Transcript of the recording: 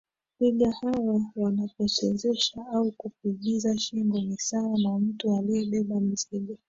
Twiga hawa wanapo chezesha au kupigiza shingo ni sawa na mtu aliye beba mzigo